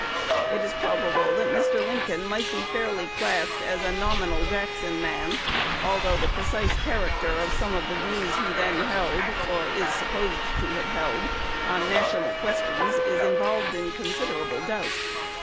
It is probable that Mr. Lincoln might be fairly classed as a "nominal Jackson man," although the precise character of some of the views he then held, or is supposed to have held, on national questions, is involved in considerable doubt.